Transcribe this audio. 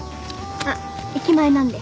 あっ駅前なんで